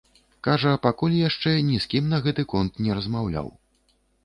Кажа, пакуль яшчэ ні з кім на гэты конт не размаўляў.